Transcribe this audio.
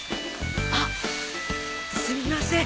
あっすみません。